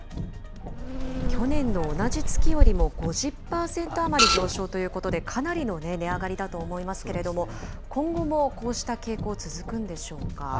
去年の同じ月よりも５０％余り上昇ということで、かなりの値上がりだと思いますけれども、今後もこうした傾向、続くんでしょうか。